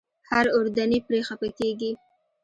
هر اردني پرې خپه کېږي.